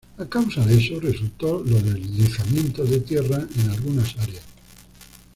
A causa de eso, resultó los deslizamientos de tierra en algunas áreas.